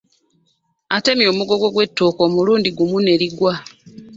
Atemye omugogo gw’ettooke omulundi gumu ne ligwa.